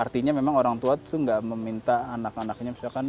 artinya memang orang tua itu nggak meminta anak anaknya misalkan